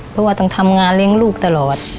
เพราะว่าต้องทำงานเลี้ยงลูกตลอด